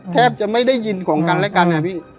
แทบจะไม่ได้ยินของกันและกันนะพี่